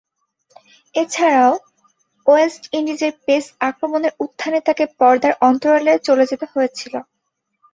এছাড়াও, ওয়েস্ট ইন্ডিজের পেস আক্রমণের উত্থানে তাকে পর্দার অন্তরালে চলে যেতে হয়েছিল।